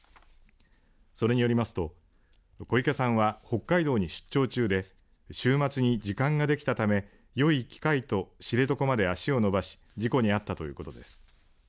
それによりますと小池さんは、北海道に出張中で週末に時間ができたためよい機会と知床まで足を伸ばし事故に遭ったということです。